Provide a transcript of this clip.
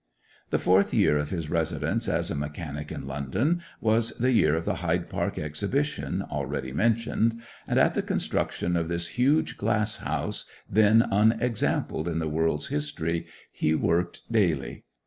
The fourth year of his residence as a mechanic in London was the year of the Hyde Park Exhibition already mentioned, and at the construction of this huge glass house, then unexampled in the world's history, he worked daily.